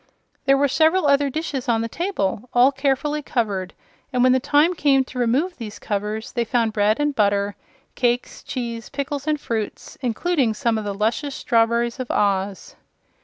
There were several other dishes on the table, all carefully covered, and when the time came to remove these covers they found bread and butter, cakes, cheese, pickles and fruits including some of the luscious strawberries of Oz.